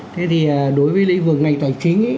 thế thì đối với lĩnh vực ngành tài chính ấy